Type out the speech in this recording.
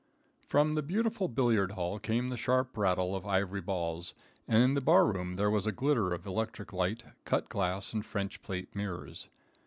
From the beautiful billiard hall came the sharp rattle of ivory balls, and in the bar room there was a glitter of electric light, cut glass, and French plate mirrors.